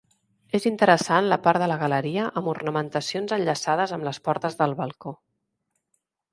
És interessant la part de la galeria amb ornamentacions enllaçades amb les portes del balcó.